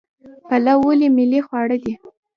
پلاو ولې ملي خواړه دي؟